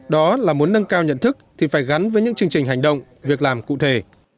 đó là muốn nâng cao nhận thức thì phải gắn với những chương trình hành động việc làm cụ thể